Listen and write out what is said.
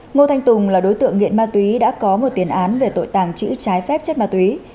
ngô thanh tùng là đối tượng nghiện ma túy đã có một tiền án về tội tàng trữ trái phép chất ma túy